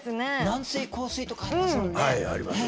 軟水硬水とかありますもんね。